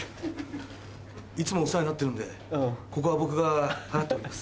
いつもお世話になってるんでここは僕が払っておきます。